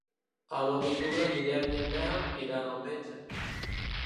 El nou d'octubre en Guillem i en Nel iran al metge.